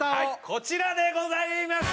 こちらでございます。